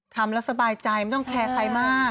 ทำแล้วสบายใจไม่ต้องแคร์ใครมาก